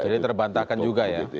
jadi terbantahkan juga ya